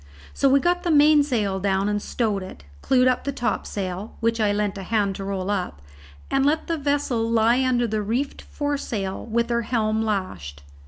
So we got the mainsail down and stowed it, clewed up the topsail (which I lent a hand to roll up), and let the vessel lie under a reefed foresail with her helm lashed.